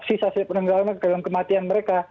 sisa sisa penenggalan dan kematian mereka